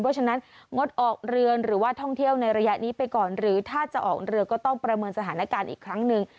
เพราะฉะนั้นงดออกเรือนหรือว่าท่องเที่ยวในระยะนี้ไปก่อนหรือถ้าจะออกเรือก็ต้องประเมินสถานการณ์อีกครั้งหนึ่ง